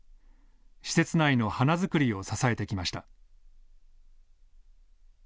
施設内の花作りを支えてきました。